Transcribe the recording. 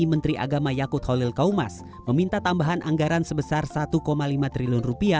menteri agama yakut holil kaumas meminta tambahan anggaran sebesar rp satu lima triliun